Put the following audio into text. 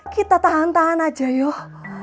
kita tahan tahan aja yoh